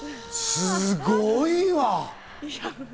すごいわ。